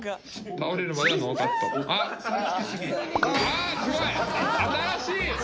あぁすごい！新しい！